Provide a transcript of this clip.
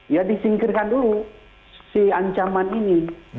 ya disingkirkan dulu si ancaman ini